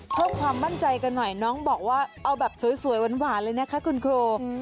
เพิ่มความมั่นใจกันหน่อยน้องบอกว่าเอาแบบสวยหวานเลยนะคะคุณครู